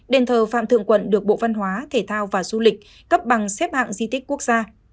đền thờ phạm thượng quận được bộ văn hóa thể thao và du lịch cấp bằng xếp hạng di tích quốc gia